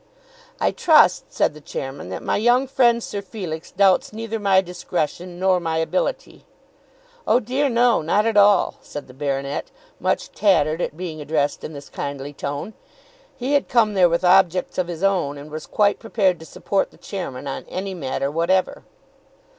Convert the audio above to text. "I trust," said the Chairman, "that my young friend, Sir Felix, doubts neither my discretion nor my ability." "Oh dear, no; not at all," said the baronet, much flattered at being addressed in this kindly tone. He had come there with objects of his own, and was quite prepared to support the Chairman on any matter whatever.